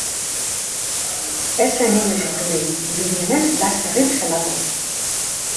Ez zen inoiz itzuli, dirudienez laster hil zelako.